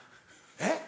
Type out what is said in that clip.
えっ？